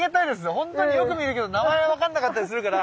ほんとによく見るけど名前が分かんなかったりするから。